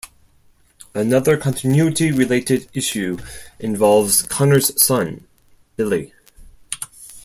Another continuity-related issue involves Connors' son Billy.